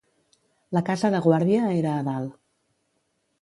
La casa de guàrdia era a dalt.